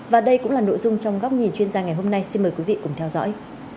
và đây cũng là nội dung trong góc nhìn chuyên gia ngày hôm nay xin mời quý vị cùng theo dõi